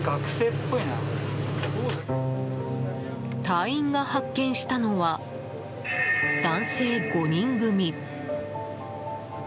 隊員が発見したのは男性５人組。